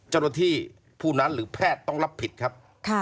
เจ้าหน้าที่ผู้นั้นหรือแพทย์ต้องรับผิดครับ